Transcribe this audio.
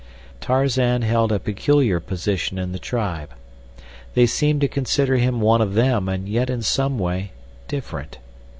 Tarzan held a peculiar position in the tribe. They seemed to consider him one of them and yet in some way different.